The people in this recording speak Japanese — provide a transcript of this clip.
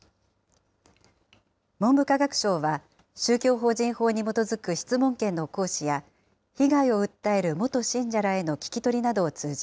文部科学省は、宗教法人法に基づく質問権の行使や、被害を訴える元信者らへの聞き取りなどを通じ、